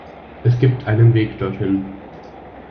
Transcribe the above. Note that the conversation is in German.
Es gibt einen Weg dorthin.